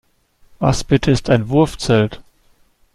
Was bitte ist ein Wurfzelt?